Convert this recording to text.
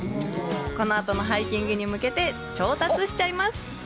この後のハイキングに向けて、調達しちゃいます！